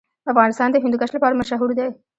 افغانستان د هندوکش لپاره مشهور دی.